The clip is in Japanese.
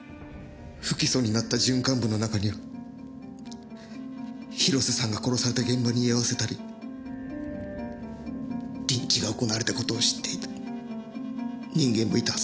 不起訴になった準幹部の中には広瀬さんが殺された現場に居合わせたりリンチが行われた事を知っていた人間もいたはずだって。